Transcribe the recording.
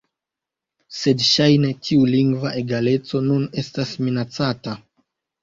Sed ŝajne tiu lingva egaleco nun estas minacata.